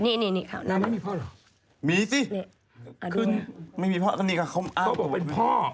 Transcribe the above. นี่ไงนี่คนนี้คนนี้คนนี้คนนี้